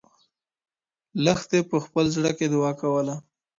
لښتې په خپل زړه کې دعا کوله.